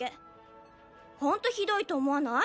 本当ひどいと思わない？